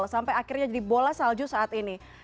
sampai akhirnya jadi bola salju saat ini